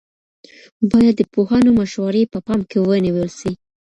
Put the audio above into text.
باید د پوهانو مشورې په پام کې ونیول سي.